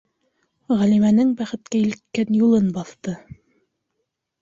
Ғәлимәнең бәхеткә илткән юлын баҫты...